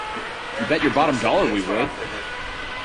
You bet your bottom dollar we would!